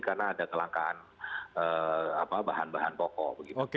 karena ada kelangkaan bahan bahan pokok